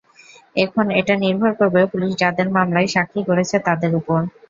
এখন এটা নির্ভর করবে পুলিশ যাঁদের মামলায় সাক্ষী করেছে, তাঁদের ওপর।